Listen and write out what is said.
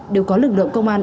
đều có lực lượng công an